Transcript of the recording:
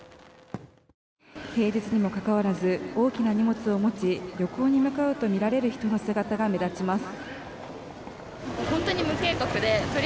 平日にもかかわらず大きな荷物を持ち旅行に向かうとみられる人の姿が目立ちます。